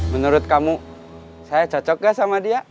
menurut kamu saya cocok gak sama dia